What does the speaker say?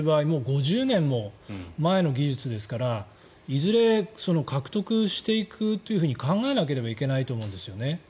５０年も前の技術ですからいずれ獲得していくと考えなければいけないと思うんです。